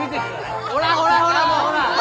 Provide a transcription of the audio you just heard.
ほらほらほらもうほら。